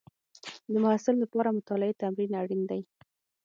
د محصل لپاره مطالعې تمرین اړین دی.